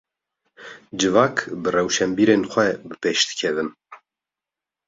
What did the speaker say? Civak, bi rewşenbîrên xwe bipêş dikevin